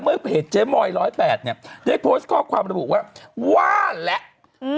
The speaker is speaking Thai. เพจเจ๊มอย๑๐๘เนี่ยได้โพสต์ข้อความระบุว่าว่าแล้ว